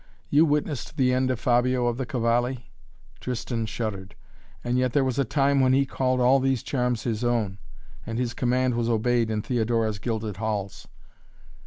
"You witnessed the end of Fabio of the Cavalli?" Tristan shuddered. "And yet there was a time when he called all these charms his own, and his command was obeyed in Theodora's gilded halls."